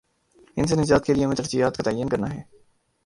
ان سے نجات کے لیے ہمیں ترجیحات کا تعین کرنا ہے۔